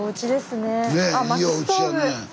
ねえいいおうちやね。